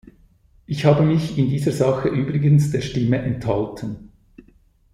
Ich habe mich in dieser Sache übrigens der Stimme enthalten.